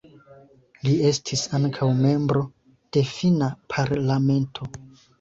Li estis ankaŭ membro de Finna Parlamento.